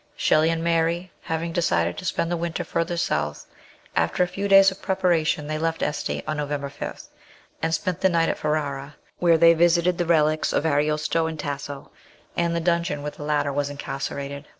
Shelley and Mary having decided to spend the winter further south, after a few days of preparation they left Este on November 5, and spent the night at Ferrara, where they visited the relics of Ariosto and Tasso, and the dungeon where the latter was incarce rated.